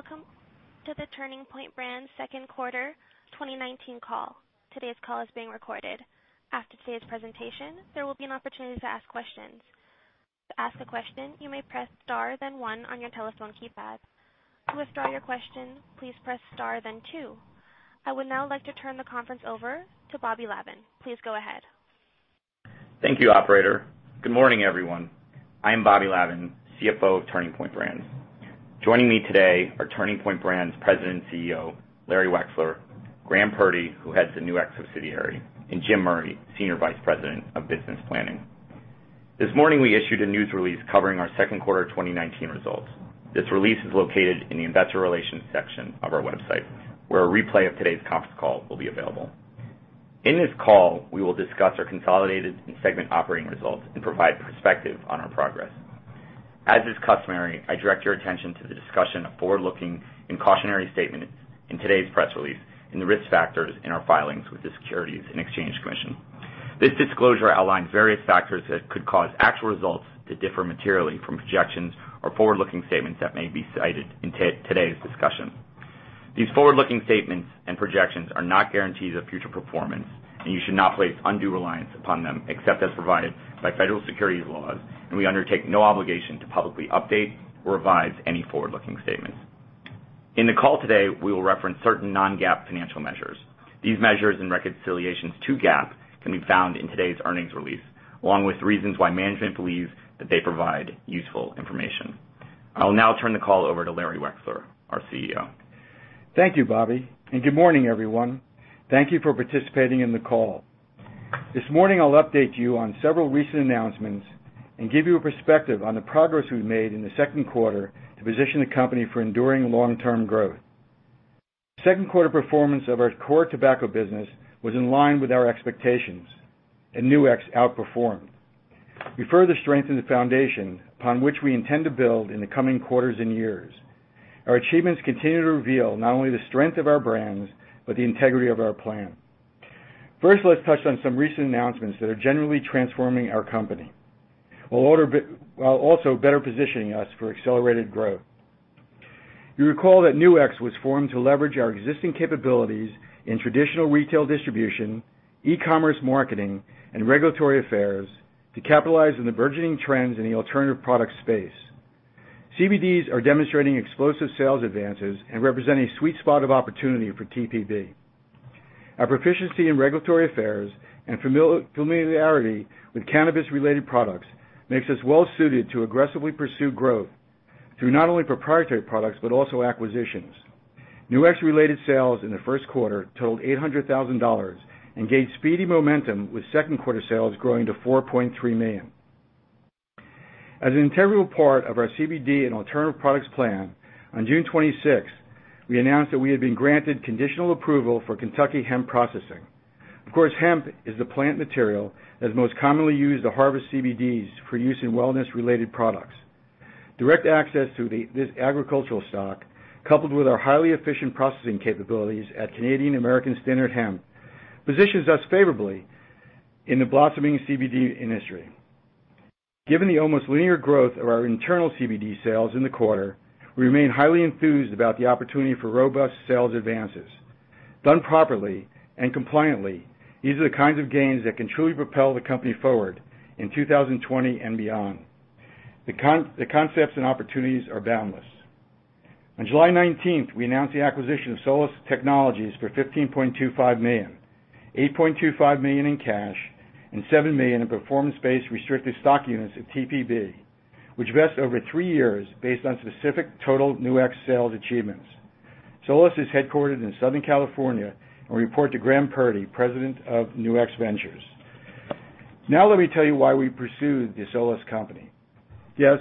Welcome to the Turning Point Brands second quarter 2019 call. Today's call is being recorded. After today's presentation, there will be an opportunity to ask questions. To ask a question, you may press star then one on your telephone keypad. To withdraw your question, please press star then two. I would now like to turn the conference over to Bobby Lavan. Please go ahead. Thank you, operator. Good morning, everyone. I am Bobby Lavan, CFO of Turning Point Brands. Joining me today are Turning Point Brands President and CEO, Larry Wexler, Graham Purdy, who heads the Nu-X subsidiary, and Jim Murray, Senior Vice President of Business Planning. This morning, we issued a news release covering our second quarter 2019 results. This release is located in the investor relations section of our website, where a replay of today's conference call will be available. In this call, we will discuss our consolidated and segment operating results and provide perspective on our progress. As is customary, I direct your attention to the discussion of forward-looking and cautionary statements in today's press release, and the risk factors in our filings with the Securities and Exchange Commission. This disclosure outlines various factors that could cause actual results to differ materially from projections or forward-looking statements that may be cited in today's discussion. These forward-looking statements and projections are not guarantees of future performance, and you should not place undue reliance upon them except as provided by federal securities laws, and we undertake no obligation to publicly update or revise any forward-looking statements. In the call today, we will reference certain non-GAAP financial measures. These measures and reconciliations to GAAP can be found in today's earnings release, along with reasons why management believes that they provide useful information. I will now turn the call over to Larry Wexler, our CEO. Thank you, Bobby Lavan, good morning, everyone. Thank you for participating in the call. This morning, I'll update you on several recent announcements and give you a perspective on the progress we've made in the second quarter to position the company for enduring long-term growth. Second quarter performance of our core tobacco business was in line with our expectations, and Nu-X outperformed. We further strengthened the foundation upon which we intend to build in the coming quarters and years. Our achievements continue to reveal not only the strength of our brands, but the integrity of our plan. First, let's touch on some recent announcements that are generally transforming our company, while also better positioning us for accelerated growth. You recall that Nu-X was formed to leverage our existing capabilities in traditional retail distribution, e-commerce marketing, and regulatory affairs to capitalize on the burgeoning trends in the alternative product space. CBDs are demonstrating explosive sales advances and represent a sweet spot of opportunity for TPB. Our proficiency in regulatory affairs and familiarity with cannabis-related products makes us well-suited to aggressively pursue growth through not only proprietary products, but also acquisitions. Nu-X-related sales in the first quarter totaled $800,000 and gained speedy momentum, with second-quarter sales growing to $4.3 million. As an integral part of our CBD and alternative products plan, on June 26th, we announced that we had been granted conditional approval for Kentucky hemp processing. Of course, hemp is the plant material that is most commonly used to harvest CBDs for use in wellness-related products. Direct access to this agricultural stock, coupled with our highly efficient processing capabilities at Canadian American Standard Hemp, positions us favorably in the blossoming CBD industry. Given the almost linear growth of our internal CBD sales in the quarter, we remain highly enthused about the opportunity for robust sales advances. Done properly and compliantly, these are the kinds of gains that can truly propel the company forward in 2020 and beyond. The concepts and opportunities are boundless. On July 19th, we announced the acquisition of Solace Technologies for $15.25 million, $8.25 million in cash and $7 million in performance-based restricted stock units at TPB, which vest over three years based on specific total Nu-X sales achievements. Solace is headquartered in Southern California and will report to Graham Purdy, President of Nu-X Ventures. Let me tell you why we pursued the Solace company. Yes,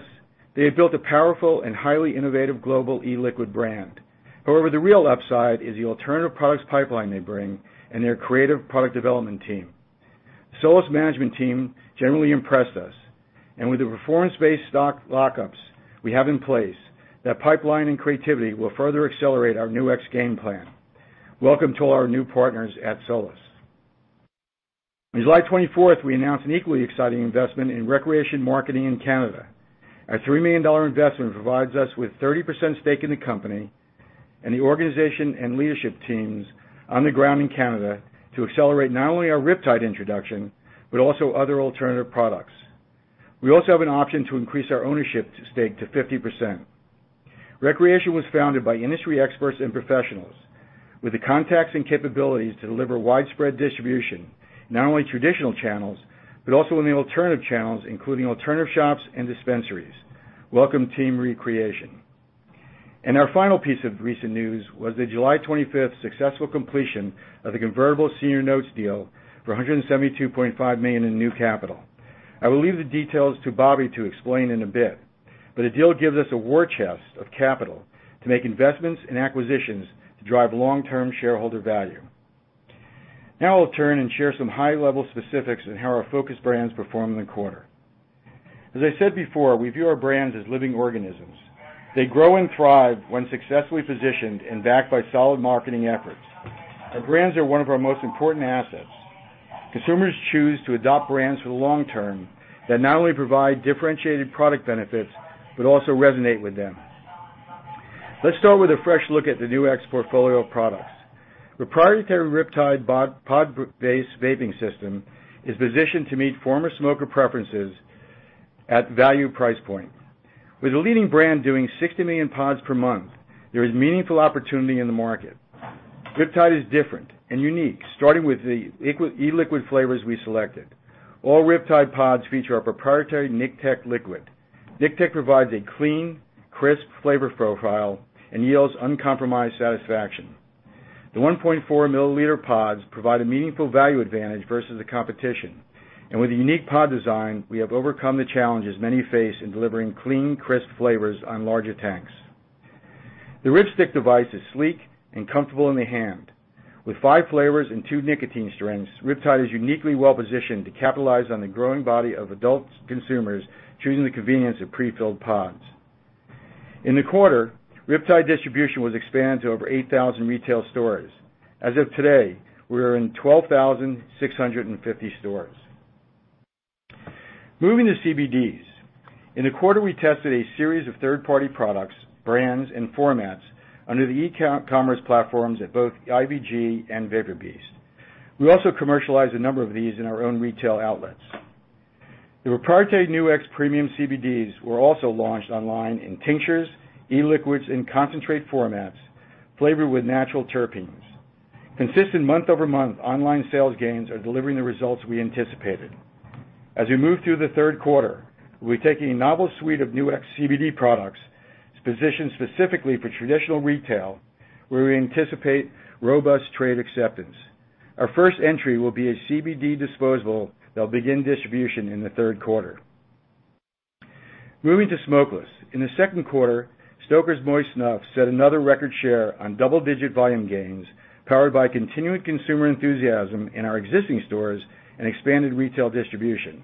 they have built a powerful and highly innovative global e-liquid brand. The real upside is the alternative products pipeline they bring and their creative product development team. Solace management team generally impressed us, and with the performance-based stock lockups we have in place, that pipeline and creativity will further accelerate our Nu-X game plan. Welcome to all our new partners at Solace. On July 24th, we announced an equally exciting investment in ReCreation Marketing in Canada. Our $3 million investment provides us with 30% stake in the company and the organization and leadership teams on the ground in Canada to accelerate not only our RipTide introduction, but also other alternative products. We also have an option to increase our ownership stake to 50%. ReCreation was founded by industry experts and professionals with the contacts and capabilities to deliver widespread distribution in not only traditional channels, but also in the alternative channels, including alternative shops and dispensaries. Welcome, Team ReCreation. Our final piece of recent news was the July 25th successful completion of the convertible senior notes deal for $172.5 million in new capital. I will leave the details to Bobby to explain in a bit, but the deal gives us a war chest of capital to make investments and acquisitions to drive long-term shareholder value. I'll turn and share some high-level specifics on how our focus brands performed in the quarter. As I said before, we view our brands as living organisms. They grow and thrive when successfully positioned and backed by solid marketing efforts. Our brands are one of our most important assets. Consumers choose to adopt brands for the long term that not only provide differentiated product benefits, but also resonate with them. Let's start with a fresh look at the Nu-X portfolio of products. The proprietary RipTide pod-based vaping system is positioned to meet former smoker preferences at value price point. With a leading brand doing 60 million pods per month, there is meaningful opportunity in the market. RipTide is different and unique, starting with the e-liquid flavors we selected. All RipTide pods feature our proprietary NicTech liquid. NicTech provides a clean, crisp flavor profile and yields uncompromised satisfaction. The 1.4 milliliter pods provide a meaningful value advantage versus the competition. With a unique pod design, we have overcome the challenges many face in delivering clean, crisp flavors on larger tanks. The RipStick device is sleek and comfortable in the hand. With five flavors and two nicotine strengths, RipTide is uniquely well-positioned to capitalize on the growing body of adult consumers choosing the convenience of pre-filled pods. In the quarter, RipTide distribution was expanded to over 8,000 retail stores. As of today, we are in 12,650 stores. Moving to CBDs. In the quarter, we tested a series of third-party products, brands, and formats under the e-commerce platforms at both IVG and VaporBeast. We also commercialized a number of these in our own retail outlets. The proprietary Nu-X premium CBDs were also launched online in tinctures, e-liquids, and concentrate formats, flavored with natural terpenes. Consistent month-over-month online sales gains are delivering the results we anticipated. As we move through the third quarter, we'll be taking a novel suite of Nu-X CBD products, positioned specifically for traditional retail, where we anticipate robust trade acceptance. Our first entry will be a CBD disposable that'll begin distribution in the third quarter. Moving to smokeless. In the second quarter, Stoker's Moist Snuff set another record share on double-digit volume gains, powered by continuing consumer enthusiasm in our existing stores and expanded retail distribution.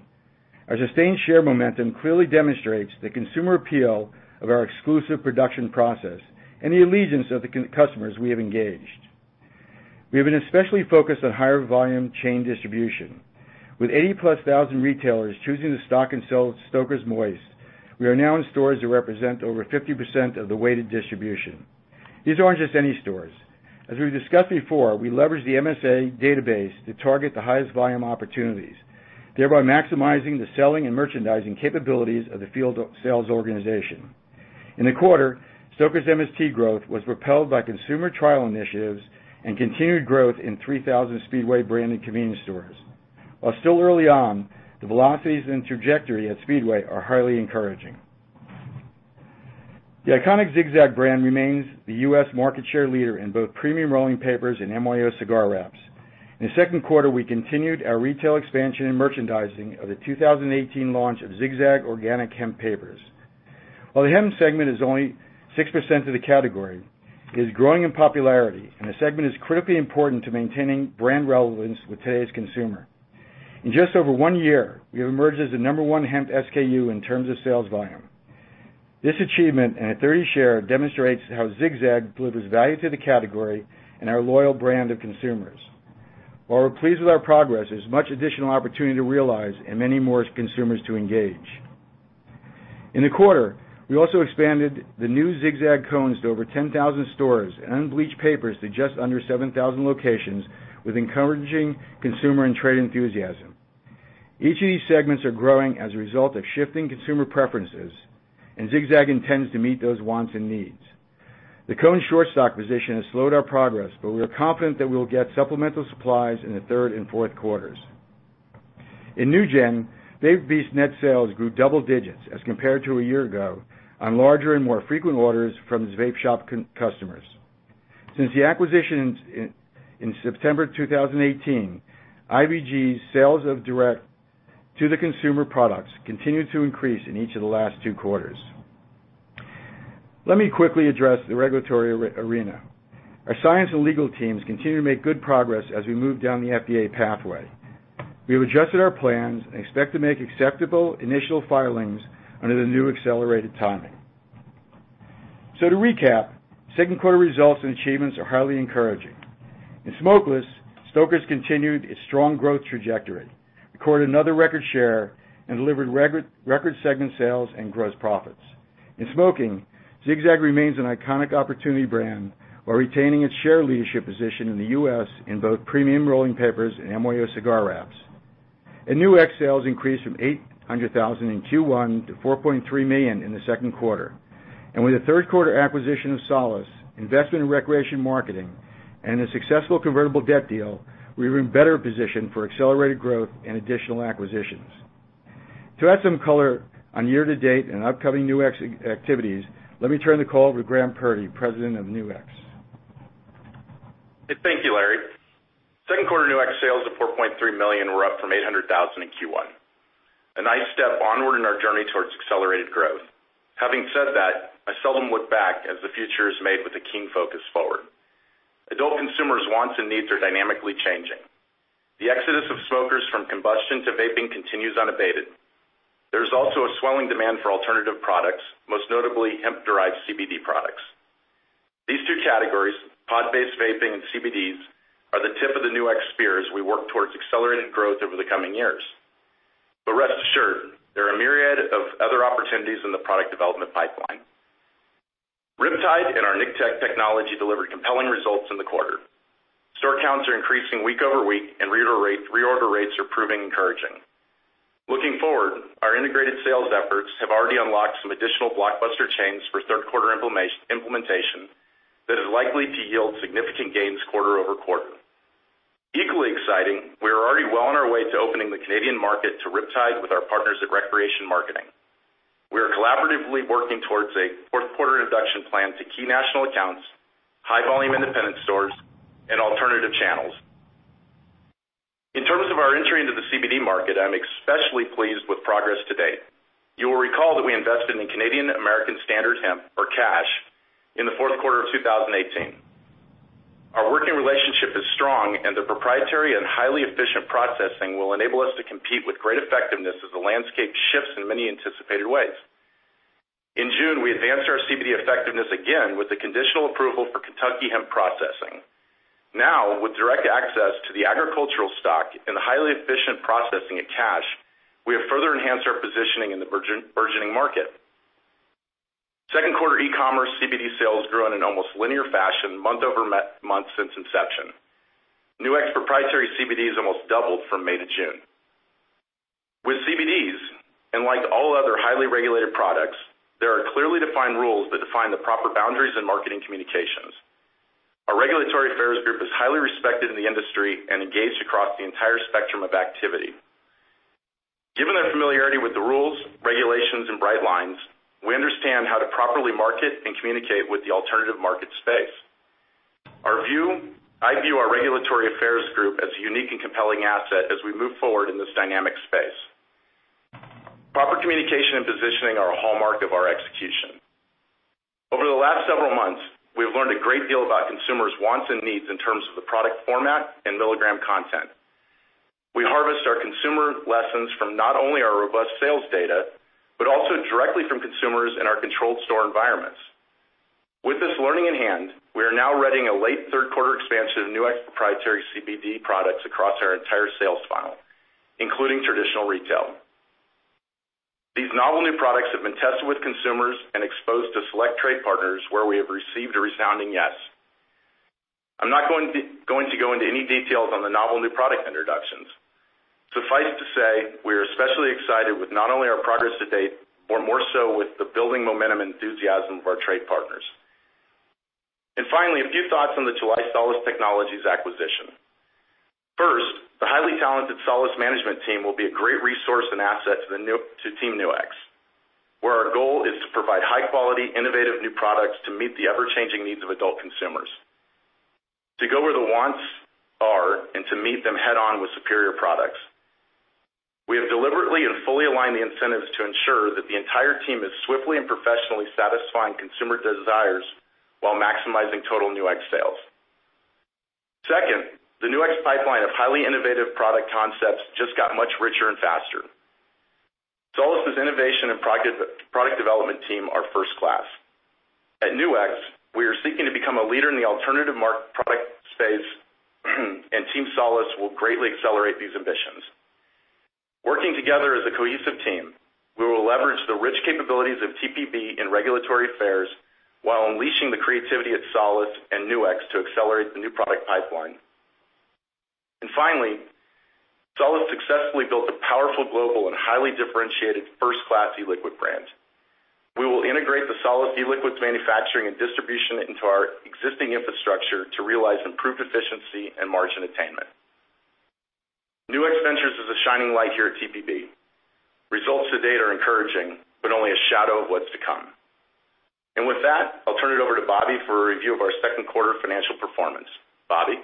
Our sustained share momentum clearly demonstrates the consumer appeal of our exclusive production process and the allegiance of the customers we have engaged. We have been especially focused on higher volume chain distribution. With 80,000-plus retailers choosing to stock and sell Stoker's Moist, we are now in stores that represent over 50% of the weighted distribution. These aren't just any stores. As we've discussed before, we leverage the MSA database to target the highest volume opportunities, thereby maximizing the selling and merchandising capabilities of the field sales organization. In the quarter, Stoker's MST growth was propelled by consumer trial initiatives and continued growth in 3,000 Speedway-branded convenience stores. While still early on, the velocities and trajectory at Speedway are highly encouraging. The iconic Zig-Zag brand remains the U.S. market share leader in both premium rolling papers and MYO cigar wraps. In the second quarter, we continued our retail expansion and merchandising of the 2018 launch of Zig-Zag Organic Hemp Papers. While the hemp segment is only 6% of the category, it is growing in popularity, and the segment is critically important to maintaining brand relevance with today's consumer. In just over one year, we have emerged as the number one hemp SKU in terms of sales volume. This achievement and a 30 share demonstrates how Zig-Zag delivers value to the category and our loyal brand of consumers. While we're pleased with our progress, there's much additional opportunity to realize and many more consumers to engage. In the quarter, we also expanded the new Zig-Zag cones to over 10,000 stores and unbleached papers to just under 7,000 locations, with encouraging consumer and trade enthusiasm. Each of these segments are growing as a result of shifting consumer preferences, and Zig-Zag intends to meet those wants and needs. The cone short stock position has slowed our progress, but we are confident that we will get supplemental supplies in the third and fourth quarters. In NewGen, VaporBeast net sales grew double digits as compared to a year ago, on larger and more frequent orders from Vape Shop customers. Since the acquisition in September 2018, IVG's sales of direct-to-the-consumer products continued to increase in each of the last two quarters. Let me quickly address the regulatory arena. Our science and legal teams continue to make good progress as we move down the FDA pathway. We have adjusted our plans and expect to make acceptable initial filings under the new accelerated timing. To recap, second quarter results and achievements are highly encouraging. In smokeless, Stoker's continued its strong growth trajectory, recorded another record share, and delivered record segment sales and gross profits. In smoking, Zig-Zag remains an iconic opportunity brand while retaining its share leadership position in the U.S. in both premium rolling papers and MYO cigar wraps. Nu-X sales increased from $800,000 in Q1 to $4.3 million in the second quarter. With the third quarter acquisition of Solace, investment in ReCreation Marketing, and a successful convertible debt deal, we're in better position for accelerated growth and additional acquisitions. To add some color on year-to-date and upcoming Nu-X activities, let me turn the call over to Graham Purdy, President of Nu-X. Thank you, Larry. Second quarter Nu-X sales of $4.3 million were up from $800,000 in Q1. A nice step onward in our journey towards accelerated growth. Having said that, I seldom look back as the future is made with a keen focus forward. Adult consumers' wants and needs are dynamically changing. The exodus of smokers from combustion to vaping continues unabated. Products, most notably hemp-derived CBDs. These two categories, pod-based vaping and CBDs, are the tip of the Nu-X spear as we work towards accelerated growth over the coming years. Rest assured, there are a myriad of other opportunities in the product development pipeline. RipTide and our NicTech technology delivered compelling results in the quarter. Store counts are increasing week over week, and reorder rates are proving encouraging. Looking forward, our integrated sales efforts have already unlocked some additional blockbuster chains for third quarter implementation that is likely to yield significant gains quarter-over-quarter. Equally exciting, we are already well on our way to opening the Canadian market to RipTide with our partners at ReCreation Marketing. We are collaboratively working towards a fourth quarter introduction plan to key national accounts, high-volume independent stores, and alternative channels. In terms of our entry into the CBD market, I'm especially pleased with progress to date. You will recall that we invested in Canadian American Standard Hemp, or CASH, in the fourth quarter of 2018. Our working relationship is strong, and their proprietary and highly efficient processing will enable us to compete with great effectiveness as the landscape shifts in many anticipated ways. In June, we advanced our CBD effectiveness again with the conditional approval for Kentucky hemp processing. Now, with direct access to the agricultural stock and the highly efficient processing at CASH, we have further enhanced our positioning in the burgeoning market. Second quarter e-commerce CBD sales grew in an almost linear fashion month-over-month since inception. Nu-X proprietary CBDs almost doubled from May to June. Like all other highly regulated products, there are clearly defined rules that define the proper boundaries in marketing communications. Our regulatory affairs group is highly respected in the industry and engaged across the entire spectrum of activity. Given their familiarity with the rules, regulations, and bright lines, we understand how to properly market and communicate with the alternative market space. I view our regulatory affairs group as a unique and compelling asset as we move forward in this dynamic space. Proper communication and positioning are a hallmark of our execution. Over the last several months, we have learned a great deal about consumers' wants and needs in terms of the product format and milligram content. We harvest our consumer lessons from not only our robust sales data, but also directly from consumers in our controlled store environments. With this learning in hand, we are now readying a late third quarter expansion of Nu-X proprietary CBD products across our entire sales funnel, including traditional retail. These novel new products have been tested with consumers and exposed to select trade partners where we have received a resounding yes. I'm not going to go into any details on the novel new product introductions. Suffice to say, we are especially excited with not only our progress to date, but more so with the building momentum and enthusiasm of our trade partners. Finally, a few thoughts on the July Solace Technologies acquisition. First, the highly talented Solace management team will be a great resource and asset to team Nu-X, where our goal is to provide high quality, innovative new products to meet the ever-changing needs of adult consumers. To go where the wants are and to meet them head-on with superior products. We have deliberately and fully aligned the incentives to ensure that the entire team is swiftly and professionally satisfying consumer desires while maximizing total Nu-X sales. Second, the Nu-X pipeline of highly innovative product concepts just got much richer and faster. Solace's innovation and product development team are first class. At Nu-X, we are seeking to become a leader in the alternative market product space, and Team Solace will greatly accelerate these ambitions. Working together as a cohesive team, we will leverage the rich capabilities of TPB in regulatory affairs while unleashing the creativity at Solace and Nu-X to accelerate the new product pipeline. Solace successfully built a powerful global and highly differentiated first-class e-liquid brand. We will integrate the Solace e-liquids manufacturing and distribution into our existing infrastructure to realize improved efficiency and margin attainment. Nu-X Ventures is a shining light here at TPB. Results to date are encouraging, but only a shadow of what's to come. I'll turn it over to Bobby for a review of our second quarter financial performance. Bobby?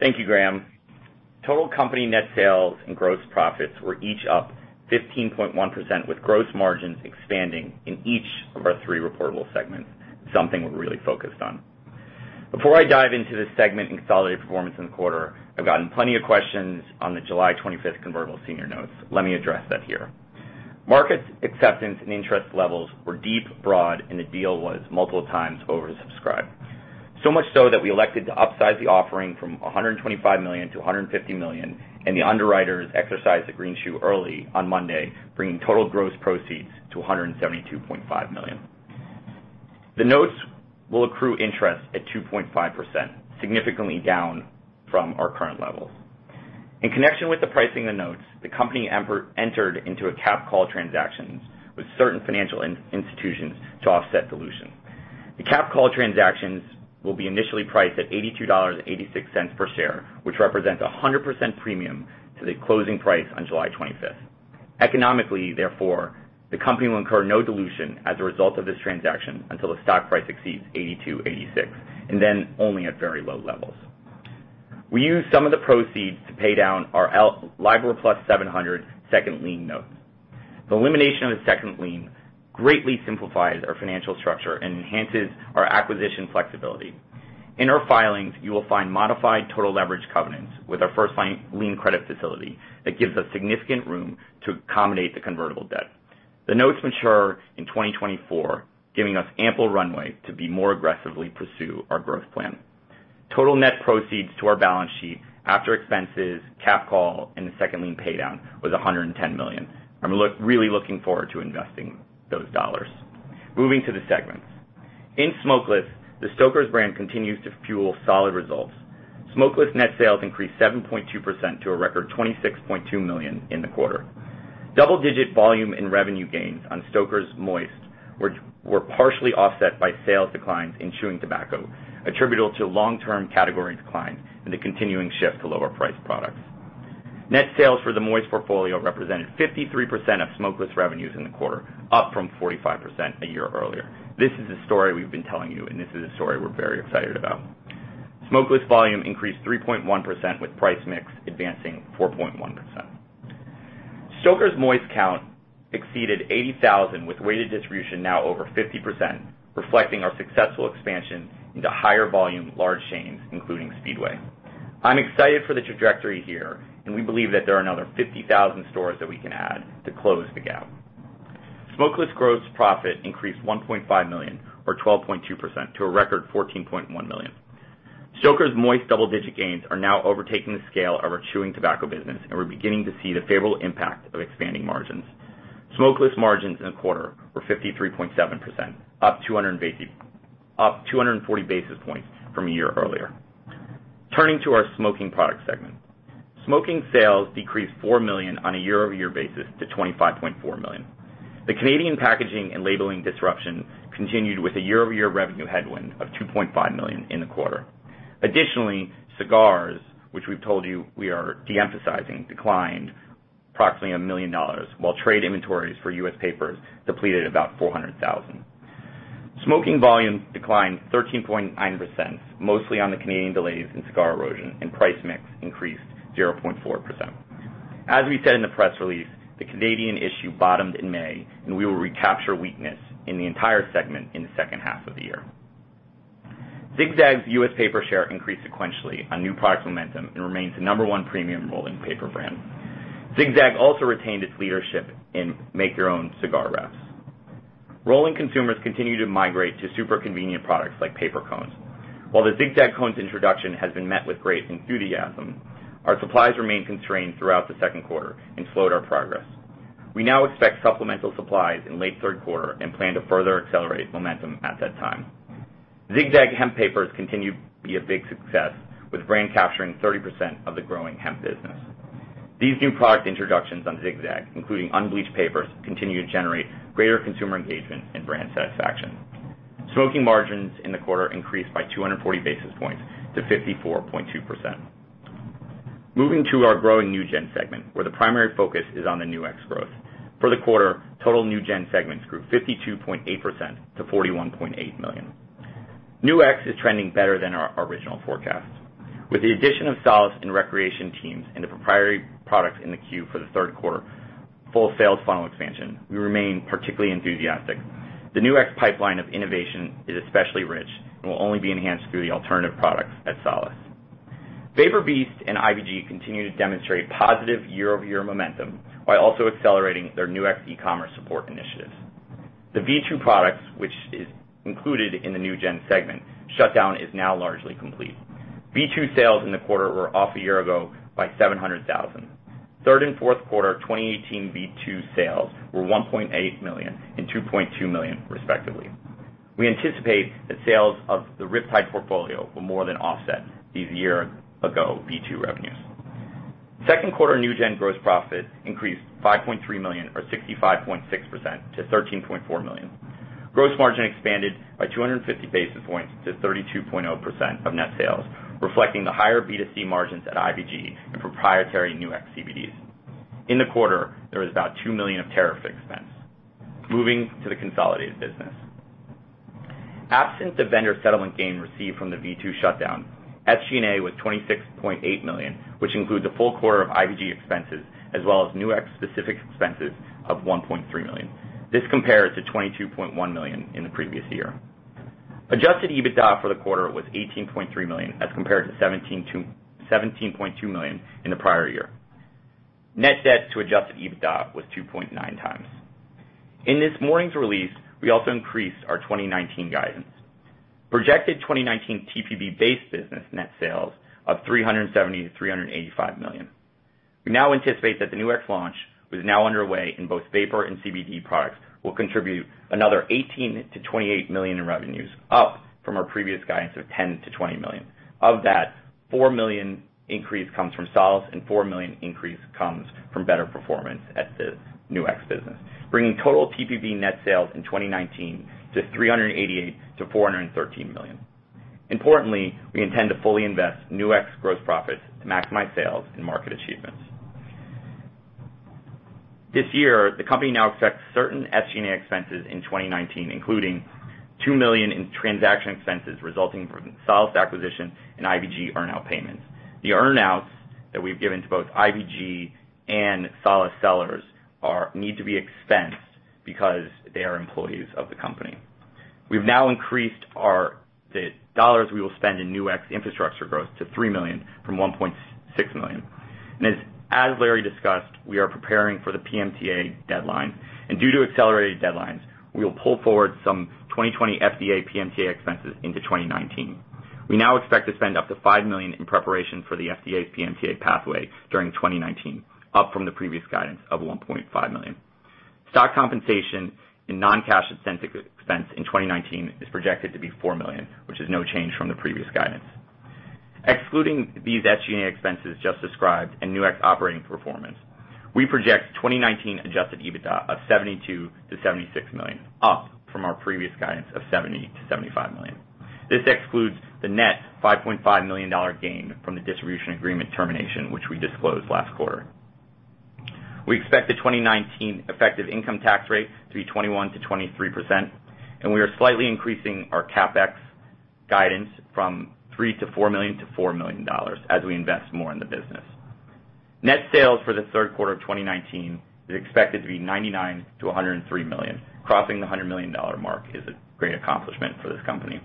Thank you, Graham. Total company net sales and gross profits were each up 15.1% with gross margins expanding in each of our three reportable segments, something we're really focused on. Before I dive into the segment and consolidated performance in the quarter, I've gotten plenty of questions on the July 25th convertible senior notes. Let me address that here. Market acceptance and interest levels were deep, broad, and the deal was multiple times oversubscribed. So much so that we elected to upsize the offering from $125 million to $150 million, and the underwriters exercised the green shoe early on Monday, bringing total gross proceeds to $172.5 million. The notes will accrue interest at 2.5%, significantly down from our current levels. In connection with the pricing of the notes, the company entered into a cap call transaction with certain financial institutions to offset dilution. The cap call transactions will be initially priced at $82.86 per share, which represents 100% premium to the closing price on July 25th. Economically, therefore, the company will incur no dilution as a result of this transaction until the stock price exceeds $82.86, and then only at very low levels. We used some of the proceeds to pay down our LIBOR plus 700 second lien notes. The elimination of the second lien greatly simplifies our financial structure and enhances our acquisition flexibility. In our filings, you will find modified total leverage covenants with our first lien credit facility that gives us significant room to accommodate the convertible debt. The notes mature in 2024, giving us ample runway to more aggressively pursue our growth plan. Total net proceeds to our balance sheet after expenses, cap call, and the second lien pay down was $110 million. I'm really looking forward to investing those dollars. Moving to the segments. In smokeless, the Stoker's brand continues to fuel solid results. Smokeless net sales increased 7.2% to a record $26.2 million in the quarter. Double-digit volume and revenue gains on Stoker's moist were partially offset by sales declines in chewing tobacco, attributable to long-term category declines and the continuing shift to lower-priced products. Net sales for the moist portfolio represented 53% of smokeless revenues in the quarter, up from 45% a year earlier. This is a story we've been telling you. This is a story we're very excited about. Smokeless volume increased 3.1% with price mix advancing 4.1%. Stoker's moist count exceeded 80,000, with weighted distribution now over 50%, reflecting our successful expansion into higher volume large chains, including Speedway. I'm excited for the trajectory here, and we believe that there are another 50,000 stores that we can add to close the gap. Smokeless gross profit increased $1.5 million or 12.2% to a record $14.1 million. Stoker's Moist double-digit gains are now overtaking the scale of our chewing tobacco business, and we're beginning to see the favorable impact of expanding margins. Smokeless margins in the quarter were 53.7%, up 240 basis points from a year earlier. Turning to our smoking product segment. Smoking sales decreased $4 million on a year-over-year basis to $25.4 million. The Canadian packaging and labeling disruption continued with a year-over-year revenue headwind of $2.5 million in the quarter. Additionally, cigars, which we've told you we are de-emphasizing, declined approximately $1 million while trade inventories for U.S. papers depleted about $400,000. Smoking volumes declined 13.9%, mostly on the Canadian delays and cigar erosion and price mix increased 0.4%. As we said in the press release, the Canadian issue bottomed in May, and we will recapture weakness in the entire segment in the second half of the year. Zig-Zag's U.S. paper share increased sequentially on new product momentum and remains the number one premium rolling paper brand. Zig-Zag also retained its leadership in make-your-own cigar wraps. Rolling consumers continue to migrate to super convenient products like paper cones. While the Zig-Zag cones introduction has been met with great enthusiasm, our supplies remained constrained throughout the second quarter and slowed our progress. We now expect supplemental supplies in late third quarter and plan to further accelerate momentum at that time. Zig-Zag hemp papers continue to be a big success, with the brand capturing 30% of the growing hemp business. These new product introductions on Zig-Zag, including unbleached papers, continue to generate greater consumer engagement and brand satisfaction. Smoking margins in the quarter increased by 240 basis points to 54.2%. Moving to our growing NewGen segment, where the primary focus is on the Nu-X growth. For the quarter, total NewGen segments grew 52.8% to $41.8 million. Nu-X is trending better than our original forecasts. With the addition of Solace and ReCreation teams and the proprietary products in the queue for the third quarter full sales funnel expansion, we remain particularly enthusiastic. The Nu-X pipeline of innovation is especially rich and will only be enhanced through the alternative products at Solace. VaporBeast and IVG continue to demonstrate positive year-over-year momentum while also accelerating their Nu-X e-commerce support initiatives. The V2 products, which is included in the NewGen segment, shutdown is now largely complete. V2 sales in the quarter were off a year ago by $700,000. Third and fourth quarter 2018 V2 sales were $1.8 million and $2.2 million, respectively. We anticipate that sales of the RipTide portfolio will more than offset these year-ago V2 revenues. Second quarter NewGen gross profit increased $5.3 million or 65.6% to $13.4 million. Gross margin expanded by 250 basis points to 32.0% of net sales, reflecting the higher B2C margins at IVG and proprietary Nu-X CBDs. In the quarter, there was about $2 million of tariff expense. Moving to the consolidated business. Absent the vendor settlement gain received from the V2 shutdown, SG&A was $26.8 million, which includes a full quarter of IVG expenses, as well as Nu-X specific expenses of $1.3 million. This compares to $22.1 million in the previous year. Adjusted EBITDA for the quarter was $18.3 million as compared to $17.2 million in the prior year. Net debt to adjusted EBITDA was 2.9 times. In this morning's release, we also increased our 2019 guidance. Projected 2019 TPB base business net sales of $370 million-$385 million. We now anticipate that the Nu-X launch, which is now underway in both vapor and CBD products, will contribute another $18 million-$28 million in revenues, up from our previous guidance of $10 million-$20 million. Of that, $4 million increase comes from Solace and $4 million increase comes from better performance at the Nu-X business, bringing total TPB net sales in 2019 to $388 million-$413 million. Importantly, we intend to fully invest Nu-X gross profits to maximize sales and market achievements. This year, the company now expects certain SG&A expenses in 2019, including $2 million in transaction expenses resulting from Solace acquisition and IVG earn out payments. The earn outs that we've given to both IVG and Solace sellers need to be expensed because they are employees of the company. We've now increased our dollars we will spend in Nu-X infrastructure growth to $3 million from $1.6 million. As Larry discussed, we are preparing for the PMTA deadline, and due to accelerated deadlines, we will pull forward some 2020 FDA PMTA expenses into 2019. We now expect to spend up to $5 million in preparation for the FDA's PMTA pathway during 2019, up from the previous guidance of $1.5 million. Stock compensation and non-cash expense in 2019 is projected to be $4 million, which is no change from the previous guidance. Excluding these SG&A expenses just described and Nu-X operating performance, we project 2019 adjusted EBITDA of $72 million-$76 million, up from our previous guidance of $70 million-$75 million. This excludes the net $5.5 million gain from the distribution agreement termination, which we disclosed last quarter. We expect the 2019 effective income tax rate to be 21%-23%, and we are slightly increasing our CapEx guidance from $3 million-$4 million to $4 million as we invest more in the business. Net sales for the third quarter of 2019 is expected to be $99 million-$103 million. Crossing the $100 million mark is a great accomplishment for this company.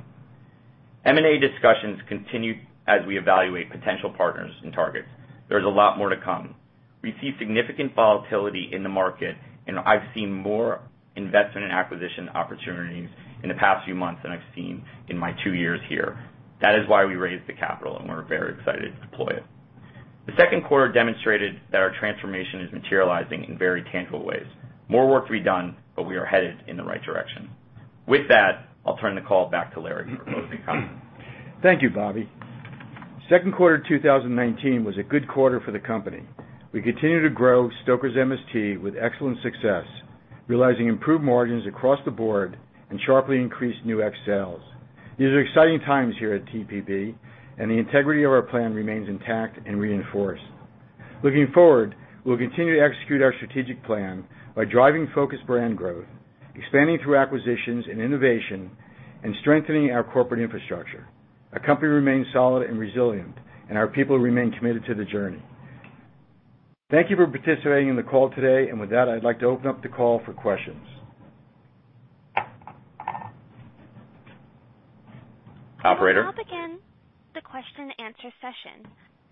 M&A discussions continue as we evaluate potential partners and targets. There's a lot more to come. We see significant volatility in the market, and I've seen more investment and acquisition opportunities in the past few months than I've seen in my two years here. That is why we raised the capital, and we're very excited to deploy it. The second quarter demonstrated that our transformation is materializing in very tangible ways. More work to be done, but we are headed in the right direction. With that, I'll turn the call back to Larry for closing comments. Thank you, Bobby. Second quarter 2019 was a good quarter for the company. We continue to grow Stoker's MST with excellent success, realizing improved margins across the board and sharply increased Nu-X sales. These are exciting times here at TPB, and the integrity of our plan remains intact and reinforced. Looking forward, we'll continue to execute our strategic plan by driving focused brand growth, expanding through acquisitions and innovation, and strengthening our corporate infrastructure. Our company remains solid and resilient, and our people remain committed to the journey. Thank you for participating in the call today. With that, I'd like to open up the call for questions. Operator. We'll now begin the question and answer session.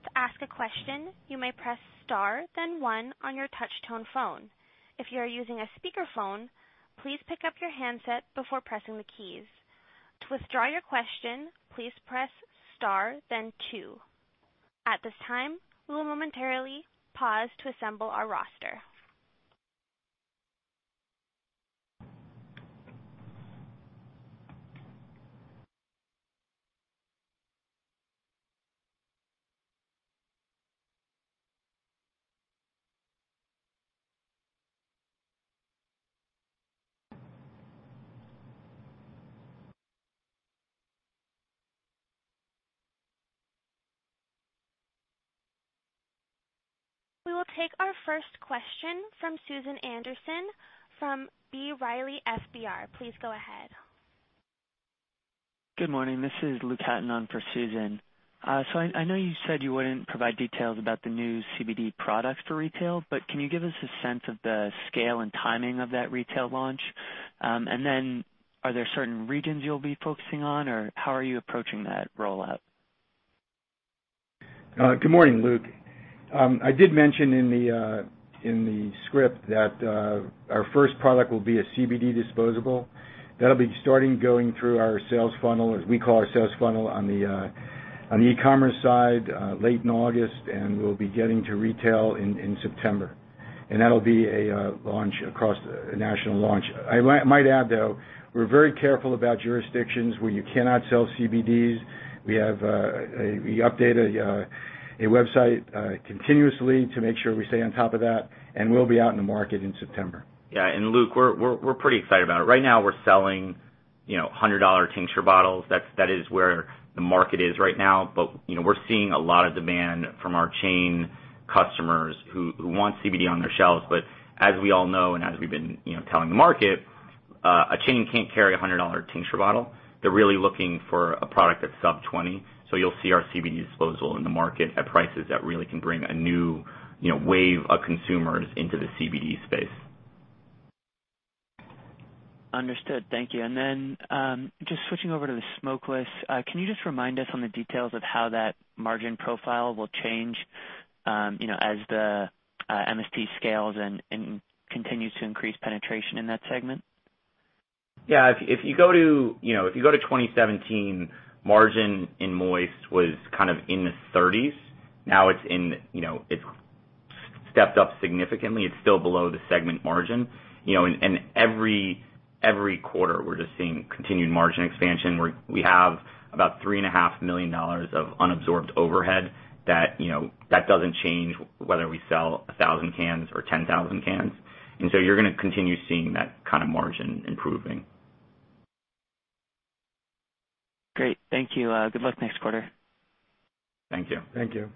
To ask a question, you may press star then one on your touch tone phone. If you are using a speakerphone, please pick up your handset before pressing the keys. To withdraw your question, please press star then two. At this time, we will momentarily pause to assemble our roster. We will take our first question from Susan Anderson from B. Riley FBR. Please go ahead. Good morning. This is Luke Hatten on for Susan. I know you said you wouldn't provide details about the new CBD product for retail, can you give us a sense of the scale and timing of that retail launch? Are there certain regions you'll be focusing on, or how are you approaching that rollout? Good morning, Luke. I did mention in the script that our first product will be a CBD disposable. That'll be starting going through our sales funnel, as we call our sales funnel, on the e-commerce side late in August, and we'll be getting to retail in September. That'll be a national launch. I might add, though, we're very careful about jurisdictions where you cannot sell CBDs. We update a website continuously to make sure we stay on top of that, and we'll be out in the market in September. Yeah. Luke, we're pretty excited about it. Right now, we're selling $100 tincture bottles. That is where the market is right now. We're seeing a lot of demand from our chain customers who want CBD on their shelves. As we all know and as we've been telling the market, a chain can't carry a $100 tincture bottle. They're really looking for a product that's sub 20. You'll see our CBD disposable in the market at prices that really can bring a new wave of consumers into the CBD space. Understood. Thank you. Just switching over to the smokeless, can you just remind us on the details of how that margin profile will change as the MST scales and continues to increase penetration in that segment? Yeah. If you go to 2017, margin in Moist was kind of in the 30%s. Now it's stepped up significantly. It's still below the segment margin. Every quarter, we're just seeing continued margin expansion, where we have about $3.5 million of unabsorbed overhead that doesn't change whether we sell 1,000 cans or 10,000 cans. You're going to continue seeing that kind of margin improving. Great. Thank you. Good luck next quarter. Thank you. Thank you.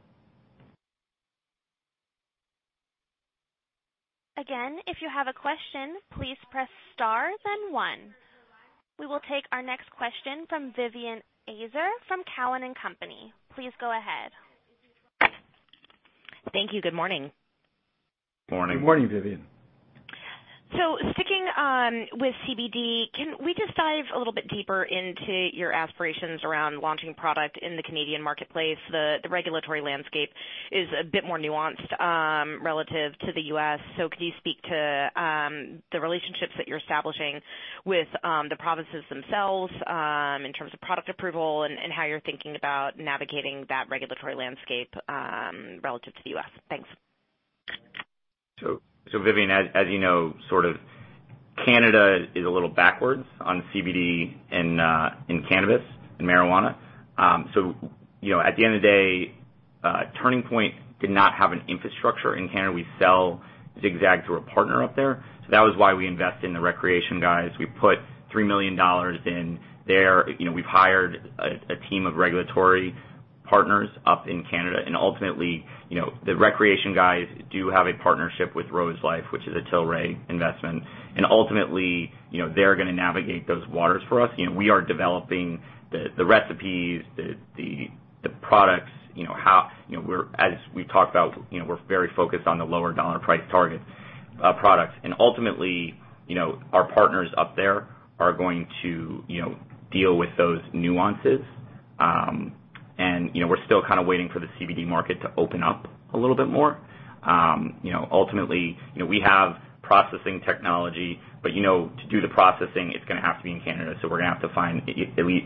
Again, if you have a question, please press star then one. We will take our next question from Vivien Azer from Cowen and Company. Please go ahead. Thank you. Good morning. Morning. Good morning, Vivien. Sticking on with CBD, can we just dive a little bit deeper into your aspirations around launching product in the Canadian marketplace? The regulatory landscape is a bit more nuanced, relative to the U.S. Could you speak to the relationships that you're establishing with the provinces themselves, in terms of product approval and how you're thinking about navigating that regulatory landscape, relative to the U.S.? Thanks. Vivien, as you know, Canada is a little backwards on CBD and cannabis and marijuana. At the end of the day, Turning Point did not have an infrastructure in Canada. We sell Zig-Zag through a partner up there. That was why we invested in the ReCreation guys. We put $3 million in there. We've hired a team of regulatory partners up in Canada, and ultimately, the ReCreation guys do have a partnership with ROSE LifeScience, which is a Tilray investment. Ultimately, they're going to navigate those waters for us. We are developing the recipes, the products. As we talked about, we're very focused on the lower dollar price target products. Ultimately, our partners up there are going to deal with those nuances. We're still waiting for the CBD market to open up a little bit more. Ultimately, we have processing technology, but to do the processing, it's going to have to be in Canada, so we're going to have to find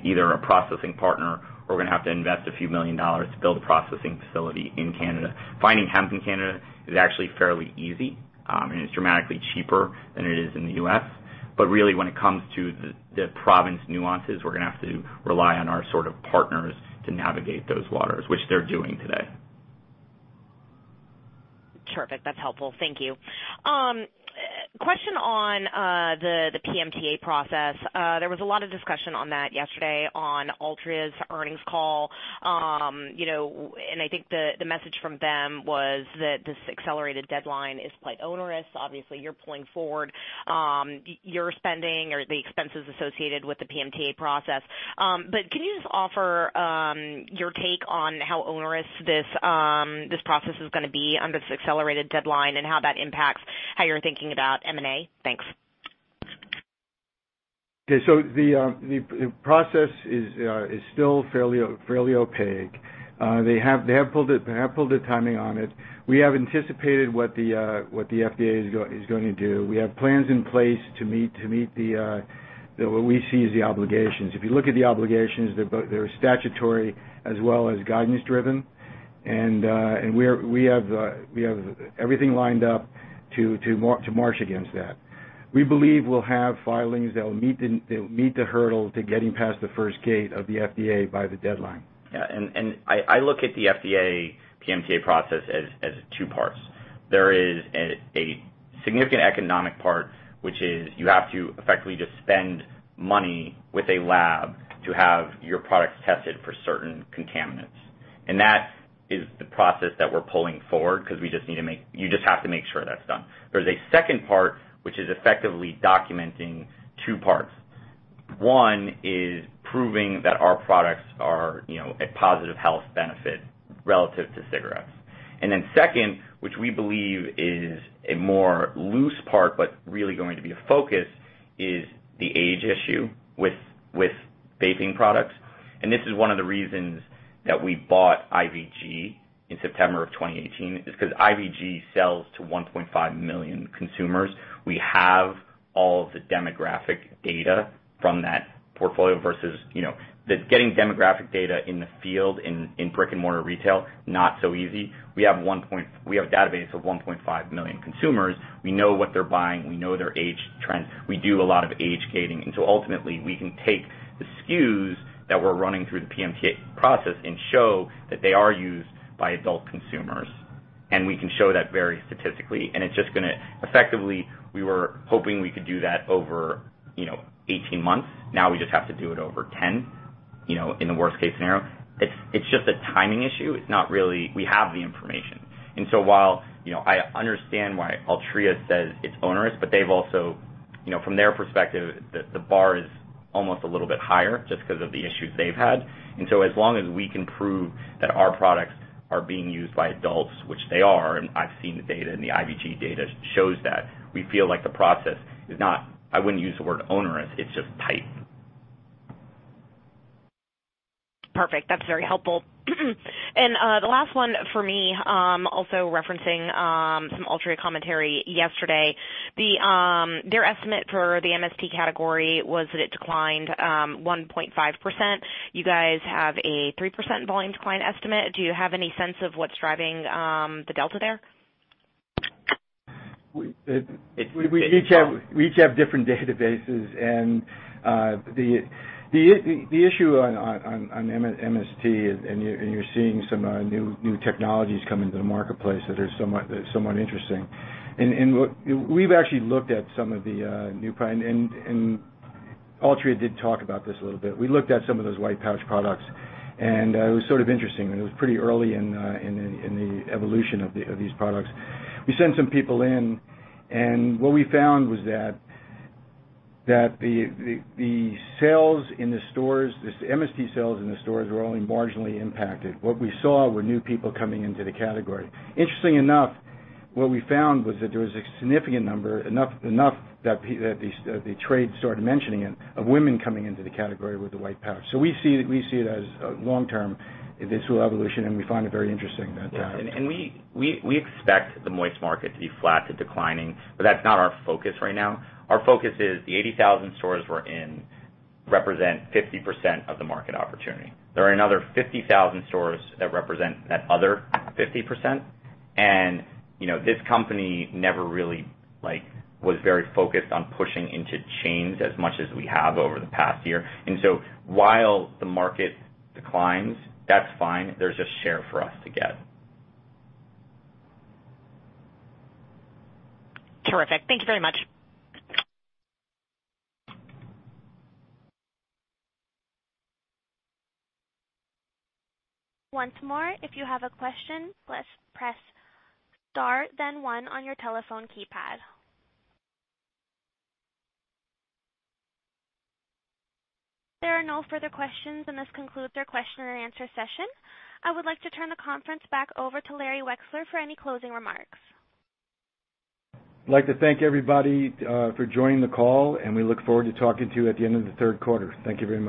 either a processing partner, or we're going to have to invest a few million dollars to build a processing facility in Canada. Finding hemp in Canada is actually fairly easy, and it's dramatically cheaper than it is in the U.S. Really when it comes to the province nuances, we're going to have to rely on our partners to navigate those waters, which they're doing today. Terrific. That's helpful. Thank you. Question on the PMTA process. There was a lot of discussion on that yesterday on Altria's earnings call. I think the message from them was that this accelerated deadline is quite onerous. Obviously, you're pulling forward your spending or the expenses associated with the PMTA process. Can you just offer your take on how onerous this process is going to be under this accelerated deadline and how that impacts how you're thinking about M&A? Thanks. Okay, the process is still fairly opaque. They have pulled a timing on it. We have anticipated what the FDA is going to do. We have plans in place to meet what we see as the obligations. If you look at the obligations, they're statutory as well as guidance driven. We have everything lined up to march against that. We believe we'll have filings that will meet the hurdle to getting past the first gate of the FDA by the deadline. Yeah. I look at the FDA PMTA process as two parts. There is a significant economic part, which is you have to effectively just spend money with a lab to have your products tested for certain contaminants. That is the process that we're pulling forward because you just have to make sure that's done. There's a second part, which is effectively documenting two parts. One is proving that our products are a positive health benefit relative to cigarettes. Then second, which we believe is a more loose part, but really going to be a focus is the age issue with vaping products. This is one of the reasons that we bought IVG in September of 2018, is because IVG sells to 1.5 million consumers. We have all of the demographic data from that portfolio versus, getting demographic data in the field in brick and mortar retail, not so easy. We have a database of 1.5 million consumers. We know what they're buying. We know their age trend. We do a lot of age gating. Ultimately, we can take the SKUs that we're running through the PMTA process and show that they are used by adult consumers. We can show that very statistically, and effectively, we were hoping we could do that over 18 months. Now we just have to do it over 10, in the worst case scenario. It's just a timing issue. We have the information. While I understand why Altria says it's onerous, but from their perspective, the bar is almost a little bit higher just because of the issues they've had. As long as we can prove that our products are being used by adults, which they are, and I've seen the data, and the IVG data shows that, we feel like the process is not, I wouldn't use the word onerous, it's just tight. Perfect. That's very helpful. The last one for me, also referencing some Altria commentary yesterday. Their estimate for the MST category was that it declined, 1.5%. You guys have a 3% volume decline estimate. Do you have any sense of what's driving the delta there? We each have different databases, and the issue on MST is, and you're seeing some new technologies come into the marketplace that are somewhat interesting. We've actually looked at some of the and Altria did talk about this a little bit. We looked at some of those white pouch products, and it was sort of interesting. It was pretty early in the evolution of these products. We sent some people in, and what we found was that the sales in the stores, the MST sales in the stores were only marginally impacted. What we saw were new people coming into the category. Interestingly enough, what we found was that there was a significant number, enough that the trade started mentioning it, of women coming into the category with the white pouch. We see it as a long-term eventual evolution, and we find it very interesting. Yeah. We expect the moist market to be flat to declining, but that's not our focus right now. Our focus is the 80,000 stores we're in represent 50% of the market opportunity. There are another 50,000 stores that represent that other 50%, and this company never really was very focused on pushing into chains as much as we have over the past year. While the market declines, that's fine. There's a share for us to get. Terrific. Thank you very much. Once more, if you have a question, please press star then one on your telephone keypad. There are no further questions, and this concludes our question and answer session. I would like to turn the conference back over to Larry Wexler for any closing remarks. I'd like to thank everybody for joining the call. We look forward to talking to you at the end of the third quarter. Thank you very much.